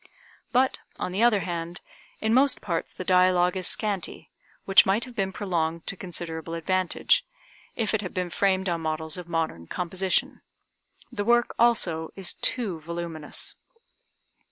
But, on the other hand, in most parts the dialogue is scanty, which might have been prolonged to considerable advantage, if it had been framed on models of modern composition. The work, also, is too voluminous.